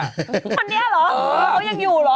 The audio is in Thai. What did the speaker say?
คนนี้หรอ